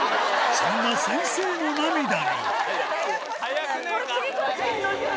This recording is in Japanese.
そんな先生の涙に。